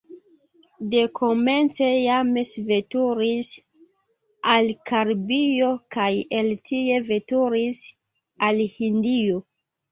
Dekomence James veturis al Karibio kaj el tie veturis al Hindio.